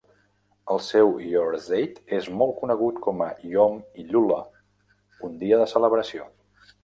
El seu "yorzeit" és molt conegut com a "Yom Hillula", un dia de celebració.